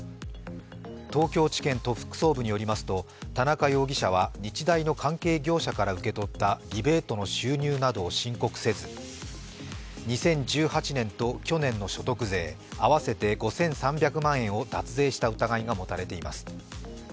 東京地検特捜部によりますと田中容疑者は日大の関係業者から受け取ったリベートの収入などを申告せず２０１８年と去年の所得税合わせて５３００万円を脱税した疑いが持たれています。